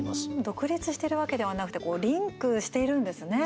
独立しているわけではなくてリンクしているんですね。